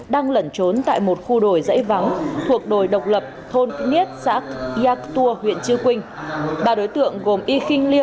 đang lẩn trốn tại một khu đồi dãy vắng thuộc đồi độc lập thôn niết xã yạc tùa huyện chư quynh